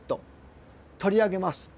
取り上げます。